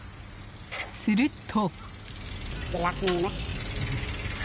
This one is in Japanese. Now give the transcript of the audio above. すると。